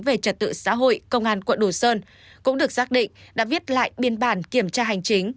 về trật tự xã hội công an quận đồ sơn cũng được xác định đã viết lại biên bản kiểm tra hành chính